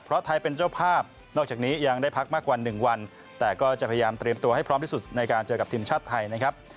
เพราะไทยเป็นเจ้าภาพนอกจากนี้ยังได้พักมากกว่า๑วันแต่ก็จะพยายามเตรียมตัวให้พร้อมที่สุดในการเจอกับทีมชาติไทยนะครับ